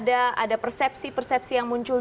ada persepsi persepsi yang muncul